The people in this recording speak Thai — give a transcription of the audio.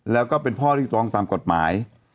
แล้วก็เป็นพ่อที่ตรงตามกฎหมาย